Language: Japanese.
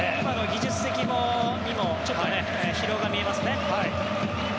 技術的にもちょっと疲労が見えますね。